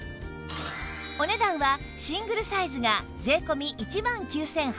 お値段はシングルサイズが税込１万９８００円